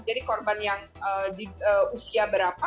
jadi korban yang usia berapa